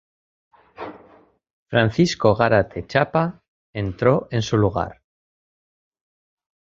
Francisco Garate Chapa entró en su lugar.